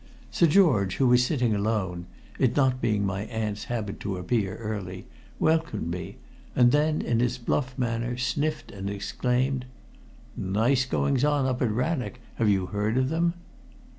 Sir George, who was sitting alone it not being my aunt's habit to appear early welcomed me, and then in his bluff manner sniffed and exclaimed: "Nice goings on up at Rannoch! Have you heard of them?"